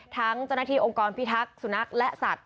เจ้าหน้าที่องค์กรพิทักษ์สุนัขและสัตว